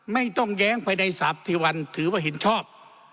ไม่ต้องแย้งไปในสัพทีวันถือว่าเห็นชอบ